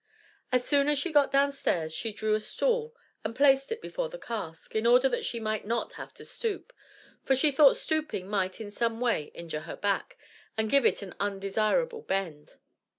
As soon as she got downstairs, she drew a stool and placed it before the cask, in order that she might not have to stoop, for she thought stooping might in some way injure her back, and give it an undesirable bend.